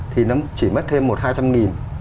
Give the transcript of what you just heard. thì nó chỉ mất thêm một hai trăm linh nghìn